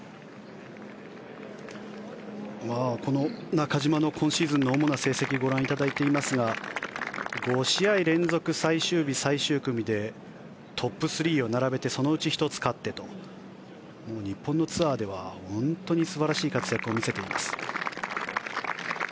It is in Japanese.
中島の今シーズンの主な成績をご覧いただいていますが５試合連続最終日、最終組でトップ３を並べてそのうち１つ勝ってと日本のツアーでは本当に素晴らしい活躍を見せています。